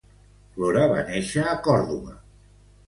Flora va nàixer a Còrdova.